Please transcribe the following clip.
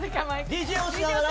ＤＪをしながら。